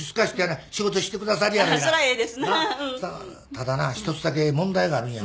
ただな１つだけ問題があるんやわ。